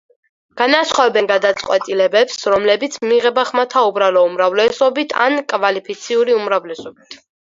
განასხვავებენ გადაწყვეტილებებს, რომლებიც მიიღება ხმათა უბრალო უმრავლესობით ან კვალიფიციური უმრავლესობით.